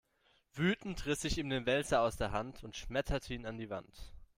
Wütend riss ich ihm den Wälzer aus der Hand und schmetterte ihn an die Wand.